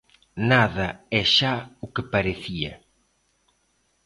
Nada é xa o que parecía.